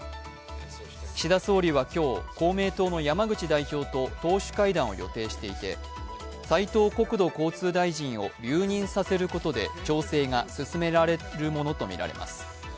岸田総理は今日、公明党の山口代表と党首会談を予定していて斉籐国土交通大臣を留任させることで調整が進められるものとみられます。